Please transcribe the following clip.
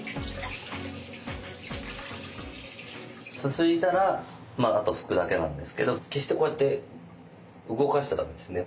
すすいだらあと拭くだけなんですけど決してこうやって動かしちゃ駄目ですね。